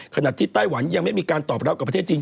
ไต้หวันยังไม่มีการตอบรับกับประเทศจีน